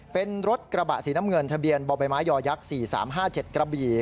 เป็นรถกระบะสีน้ำเงินทะเบียนบ่อใบไม้ยอยักษ์๔๓๕๗กระบี่